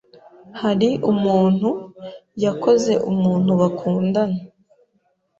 Hari umuntu, yakoze umuntu bakundana